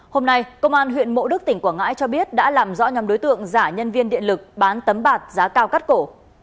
hôm nay công an huyện mộ đức tỉnh quảng ngãi cho biết đã làm rõ nhóm đối tượng giả nhân viên điện lực bán tấm bạc giá cao cắt cổ